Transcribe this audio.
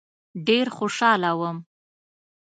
ډېر خوشاله وم.